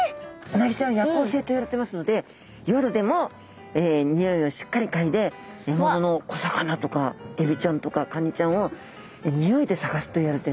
うなぎちゃんは夜行性といわれてますので夜でも匂いをしっかりかいでえものの小魚とかエビちゃんとかカニちゃんを匂いで探すといわれてるんですね。